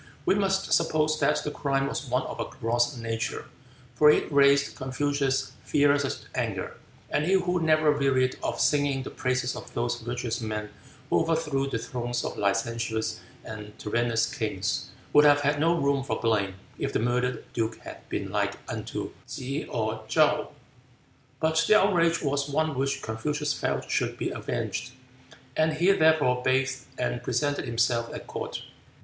We must suppose that the crime was one of a gross nature, for it raised Confucius' fiercest anger, and he who never wearied of singing the praises of those virtuous men who overthrew the thrones of licentious and tyrannous kings, would have had no room for blame if the murdered duke had been like unto Kee or Show. But the outrage was one which Confucius felt should be avenged, and he therefore bathed and presented himself at court.